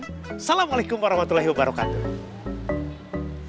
assalamualaikum warahmatullahi wabarakatuh